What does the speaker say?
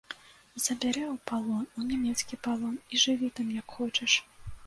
Забярэ ў палон, у нямецкі палон, і жыві там як хочаш.